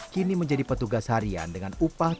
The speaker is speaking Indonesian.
kini menjadi petugas harian dan perusahaan